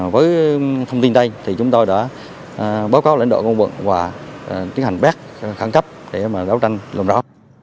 với thông tin đây chúng tôi đã báo cáo lãnh đạo công vận và tiến hành bác khẳng thấp để đấu tranh lùm rõ